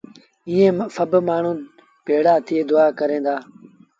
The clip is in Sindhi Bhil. ائيٚݩ سڀ مآڻهوٚٚݩ ڀيڙآ ٿئي دُئآ ڪريݩ دآ